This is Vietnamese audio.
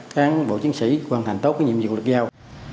cán bộ chiến sĩ hoàn thành tốt cái nhiệm vụ được giao